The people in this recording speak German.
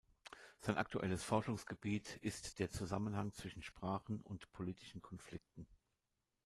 Sein aktuelles Forschungsgebiet ist der Zusammenhang zwischen Sprachen und politischen Konflikten.